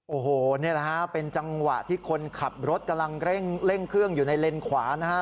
โอ้โหนี่แหละฮะเป็นจังหวะที่คนขับรถกำลังเร่งเครื่องอยู่ในเลนขวานะฮะ